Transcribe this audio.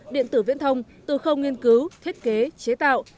điện tử viễn thông từ khâu nghiên cứu thiết kế chế tạo